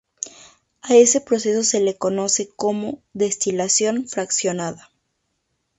A ese proceso se le conoce como "destilación fraccionada".